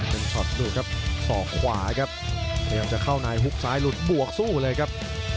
เป็นช็อตดูครับศอกขวาครับพยายามจะเข้าในฮุกซ้ายหลุดบวกสู้เลยครับ